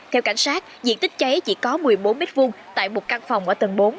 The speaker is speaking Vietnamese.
theo cảnh sát diện tích cháy chỉ có một mươi bốn m hai tại một căn phòng ở tầng bốn